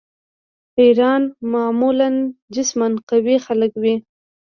عیاران معمولاً جسماً قوي خلک وي.